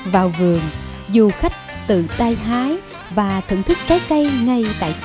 vào vườn du khách tự tay hái và thưởng thức trái cây ngay tại chỗ